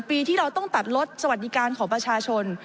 ปีที่เราต้องตัดลดสวัสดิการของประชาชน